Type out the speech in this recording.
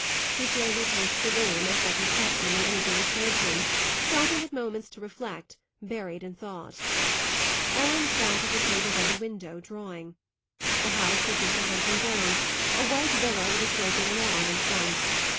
He slowly paced the room, as was his custom when anything disturbed him, stopping at moments to reflect, buried in thought. Ellen sat at a table by the window, drawing. The house was Mr. Huntley's own a white villa with a sloping lawn in front.